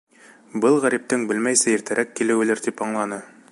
Был ғәриптең белмәйсә иртәрәк килеүелер, тип аңланы.